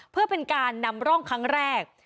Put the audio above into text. เพื่อเป็นการนำร่องครั้งแรก